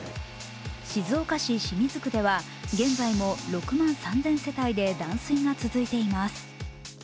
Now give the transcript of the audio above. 静岡市清水区では現在も６万３０００世帯で断線が続いています